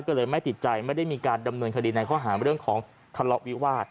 ก็เลยไม่ติดใจไม่ได้มีการดำเนินคดีในข้อหาวิวาส